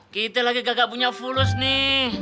kita lagi gagal punya fulus nih